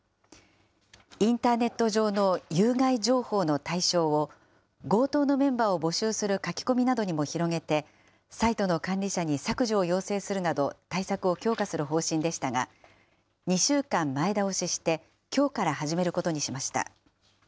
インターネット上の有害情報の対象を、強盗のメンバーを募集する書き込みなどにも広げて、サイトの管理者に削除を要請するなど、対策を強化する方針でしたが、２週間前倒しして、きょうから始めることにしました。